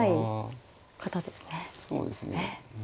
そうですね